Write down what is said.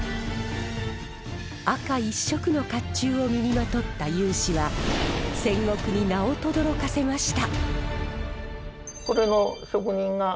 赤一色の甲冑を身にまとった雄姿は戦国に名をとどろかせました。